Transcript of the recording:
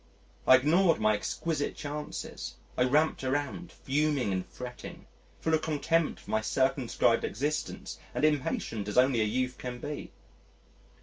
I ignored my exquisite chances, I ramped around, fuming and fretting, full of contempt for my circumscribed existence, and impatient as only a youth can be.